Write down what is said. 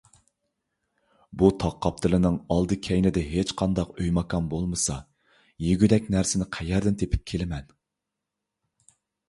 بۇ تاغ قاپتىلىنىڭ ئالدى - كەينىدە ھېچقانداق ئۆي - ماكان بولمىسا، يېگۈدەك نەرسىنى قەيەردىن تېپىپ كېلىمەن؟